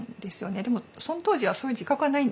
でもその当時はそういう自覚はないんですよ。